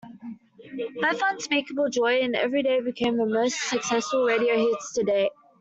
Both "Unspeakable Joy" and "Everyday" became her most successful radio hits to date.